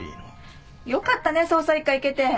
よかったね捜査一課行けて。